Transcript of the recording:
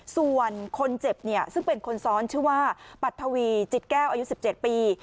ส่วนคนเจ็บเนี่ยซึ่งเป็นคนซ้อนชื่อว่าปัทวีจิตแก้วอายุ๑๗ปี